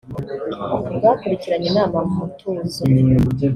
Bakurikiranye inama mu mutuzo